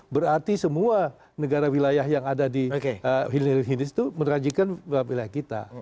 berarti semua negara wilayah yang ada di hilir hidis itu merajikan wilayah kita